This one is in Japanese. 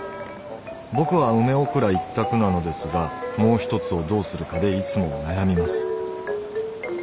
僕は梅おくら一択なのですがもう一つをどうするかでいつも悩みます。